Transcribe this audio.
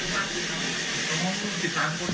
สวัสดีค่ะที่จอมฝันครับ